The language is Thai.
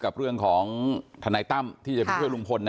ตำรวจบอกว่าภายในสัปดาห์เนี้ยจะรู้ผลของเครื่องจับเท็จนะคะ